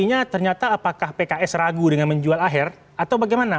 artinya ternyata apakah pks ragu dengan menjual aher atau bagaimana